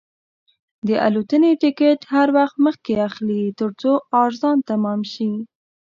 د الوتنې ټکټ هر وخت مخکې اخلئ، ترڅو ارزان تمام شي.